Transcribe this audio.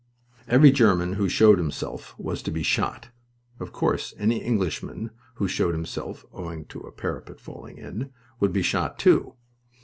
Every German who showed himself was to be shot. Of course any Englishman who showed himself owing to a parapet falling in would be shot, too.